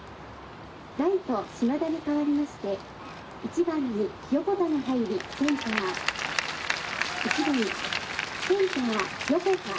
「ライト・島田に代わりまして１番に横田が入りセンター」「１番センター横田